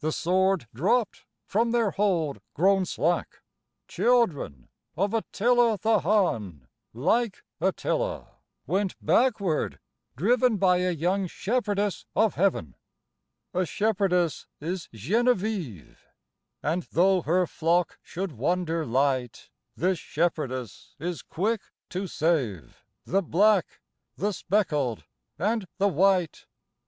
The sword dropped from their hold grown slack ; Children of Attila the Hun, Like Attila, went backward driven By a young shepherdess of Heaven. A shepherdess is Genevieve, And though her flock should wander light, This shepherdess is quick to save The black, the speckled and the white.